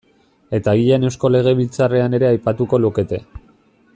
Eta agian Eusko Legebiltzarrean ere aipatuko lukete.